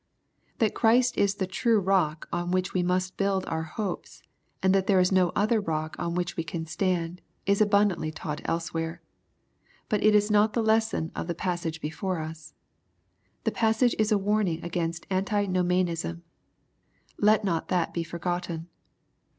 That Christ is the true rock on which we must build our hopes, and that there is no other rock on which we can stand, is abundantly taught elsewhere. But it is not the lesson of the passage before us. The passage u» a warning against Antinomianism. Let not that be forgotten.